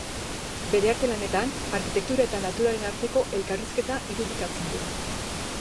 Bere arte-lanean, arkitektura eta naturaren arteko elakrrizketa irudikatzen du.